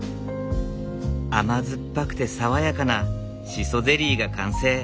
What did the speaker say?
甘酸っぱくて爽やかなシソゼリーが完成。